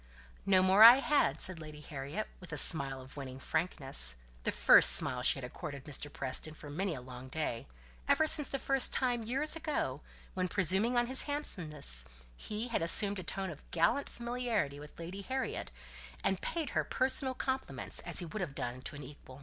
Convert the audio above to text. "No more I had," said Lady Harriet, with a smile of winning frankness: the first smile she had accorded to Mr. Preston for many a long day; ever since the time, years ago, when, presuming on his handsomeness, he had assumed a tone of gallant familiarity with Lady Harriet, and paid her personal compliments as he would have done to an equal.